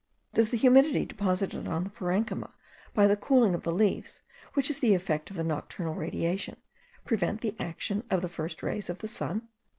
Does the humidity deposited on the parenchyma by the cooling of the leaves, which is the effect of the nocturnal radiation, prevent the action of the first rays of the sun?